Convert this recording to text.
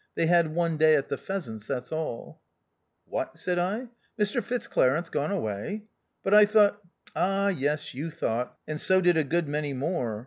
They had one day at the pheasants, that's all." " What," said I, " Mr Fitzclarence gone away ! but, I thought " "Ah, yes, you thought, and so did a good many more.